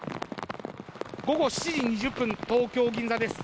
午後７時２０分の東京・銀座です。